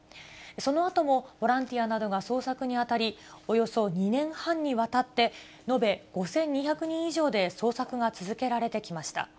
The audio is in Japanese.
そのあともボランティアなどが捜索に当たり、およそ２年半にわたって、延べ５２００人以上で捜索が続けられてきました。